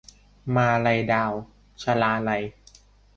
มาลัยดาว - ชลาลัย